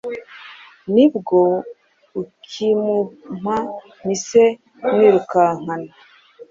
nibwo akimumpa, mpise mwirukankana